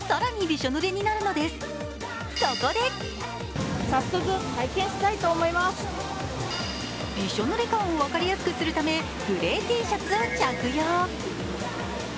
びしょぬれ感を分かりやすくするため、グレーＴシャツを着用。